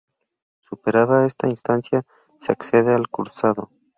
Superada esta instancia se accede al cursado.